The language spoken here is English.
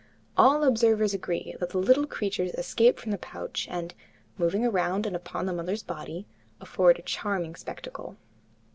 All observers agree that the little creatures escape from the pouch and, moving around and upon the mother's body, afford a charming spectacle.